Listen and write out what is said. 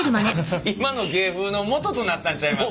今の芸風のもととなったんちゃいます？